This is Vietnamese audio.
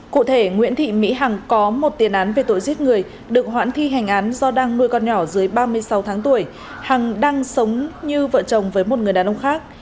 cụ thể nguyễn thị mỹ hằng có một tiền án về tội giết người được hoãn thi hành án do đang nuôi con nhỏ dưới ba mươi sáu tháng tuổi hằng đang sống như vợ chồng với một người đàn ông khác